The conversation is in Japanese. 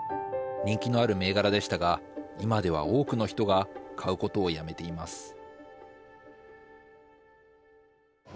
人気のある銘柄でしたが今では多くの人が買うことをやめています。